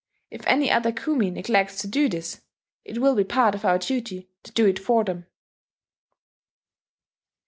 If any other kumi neglects to do this, it will be part of our duty to do it for them